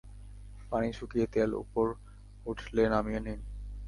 পানি শুকিয়ে তেল ওপর উঠলে নামিয়ে নিন।